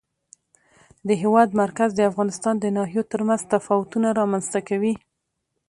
د هېواد مرکز د افغانستان د ناحیو ترمنځ تفاوتونه رامنځته کوي.